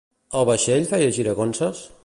El vaixell feia giragonses?